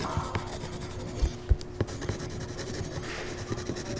Las aceras se engloban dentro del conjunto del puente como pasarelas de mantenimiento.